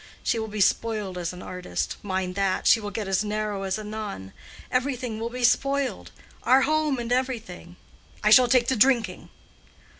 She will be spoiled as an artist—mind that—she will get as narrow as a nun. Everything will be spoiled—our home and everything. I shall take to drinking."